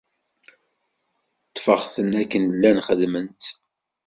Ṭṭfeɣ-ten akken llan xeddmen-tt.